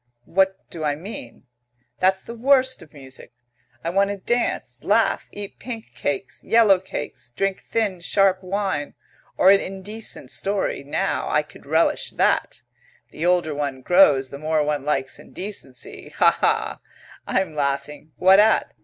What do I mean? That's the worst of music! I want to dance, laugh, eat pink cakes, yellow cakes, drink thin, sharp wine. Or an indecent story, now I could relish that. The older one grows the more one likes indecency. Hah, hah! I'm laughing. What at?